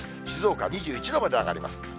静岡は２１度まで上がります。